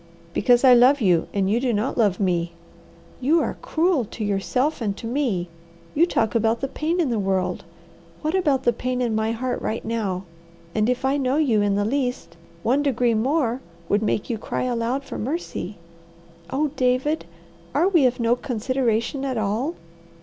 "Because I love you, and you do not love me." "You are cruel to yourself and to me. You talk about the pain in the world. What about the pain in my heart right now? And if I know you in the least, one degree more would make you cry aloud for mercy. Oh David, are we of no consideration at all?"